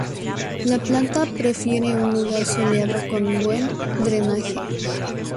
La planta prefiere un lugar soleado, con buen drenaje.